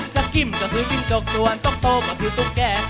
จะกินก็คือจิ้นจกส่วนโต๊ะโตก็คือทุกแก่